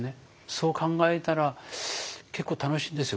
そう考えたら結構楽しいんですよ。